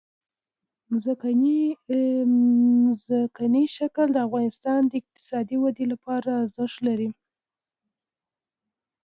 ځمکنی شکل د افغانستان د اقتصادي ودې لپاره ارزښت لري.